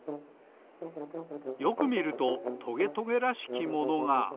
よくみるとトゲトゲらしきものが。